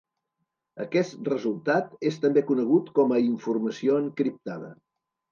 Aquest resultat és també conegut com a informació encriptada.